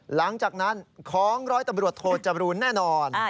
หลังจากนั้นของร้อยตำรวจโทจรูนแน่นอน